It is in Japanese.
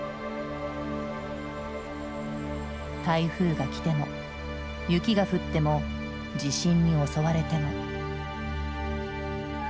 台風がきても雪が降っても地震に襲われても。